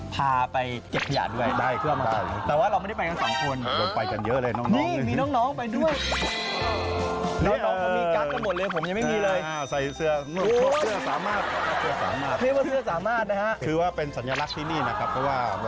พาไปเจ็บยาดด้วย